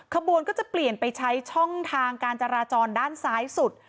ขบวนก็จะเปลี่ยนไปใช้ช่องทางการจราจรด้านซ้ายสุด